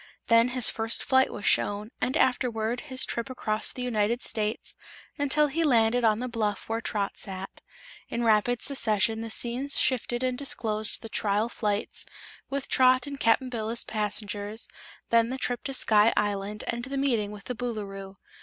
Then his first flight was shown, and afterward his trip across the United States until he landed on the bluff where Trot sat. In rapid succession the scenes shifted and disclosed the trial flights, with Trot and Cap'n Bill as passengers, then the trip to Sky Island and the meeting with the Boolooroo.